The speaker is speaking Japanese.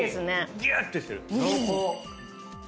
ギューッ！ってしてる。